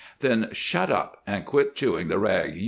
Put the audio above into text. "Then shut up, and quit chewing the rag.